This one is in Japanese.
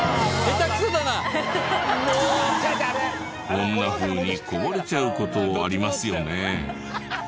こんなふうにこぼれちゃう事ありますよね。